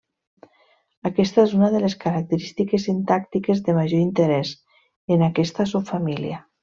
Aquesta és una de les característiques sintàctiques de major interès en aquesta subfamília.